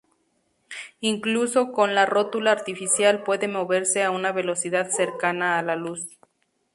Incluso con la rótula artificial puede moverse a una velocidad cercana a la luz.